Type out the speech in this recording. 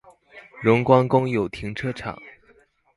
榮光公有停車場